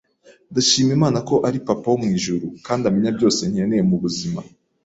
Ndashima Imana ko ari Papa wo mu ijuru kandi amenya byose nkeneye mubuzima